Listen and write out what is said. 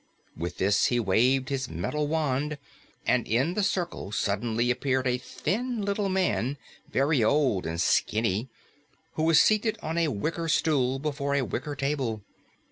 With this, he waved his metal wand, and in the circle suddenly appeared a thin little man, very old and skinny, who was seated on a wicker stool before a wicker table.